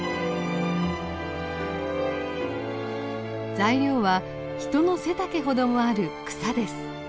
材料は人の背丈ほどもある草です。